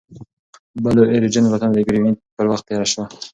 بلو اوریجن الوتنه د ګرینویچ پر وخت ترسره کړه.